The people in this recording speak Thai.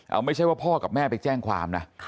เอาไม่ใช่ว่าพ่อกับแม่ไปแจ้งความนะ